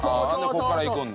ここからいくんだ。